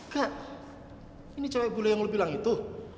kak ini cewek bule yang lo bilang itu